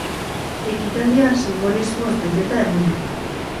Ekitaldia sinbolismoz beteta egon da.